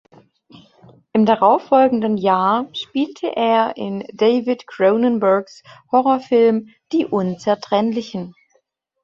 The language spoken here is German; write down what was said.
Im darauf folgenden Jahr spielte er in David Cronenbergs Horrorfilm "Die Unzertrennlichen".